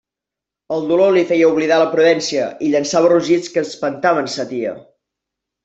El dolor li feia oblidar la prudència, i llançava rugits que espantaven sa tia.